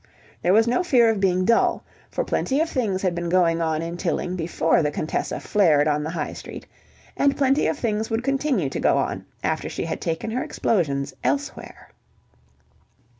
There was no fear of being dull: for plenty of things had been going on in Tilling before the Contessa flared on the High Street, and plenty of things would continue to go on after she had taken her explosions elsewhere.